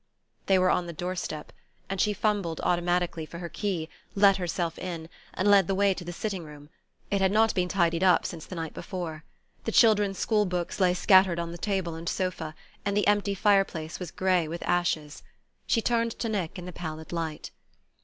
They were on the doorstep, and she fumbled automatically for her key, let herself in, and led the way to the sitting room. It had not been tidied up since the night before. The children's school books lay scattered on the table and sofa, and the empty fireplace was grey with ashes. She turned to Nick in the pallid light.